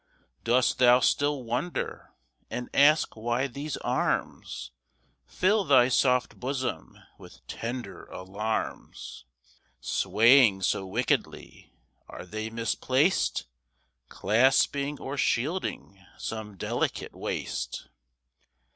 Dost thou still wonder, and ask why these arms Fill thy soft bosom with tender alarms, Swaying so wickedly? Are they misplaced Clasping or shielding some delicate waist?